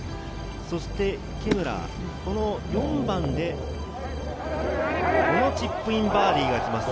そして池村、４番でこのチップインバーディーがいきます。